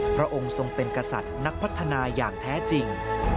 พระองค์ทรงเป็นกษัตริย์นักพัฒนาอย่างแท้จริง